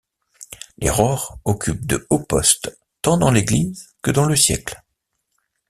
Les Rohr occupent de hauts postes, tant dans l'Église que dans le siècle.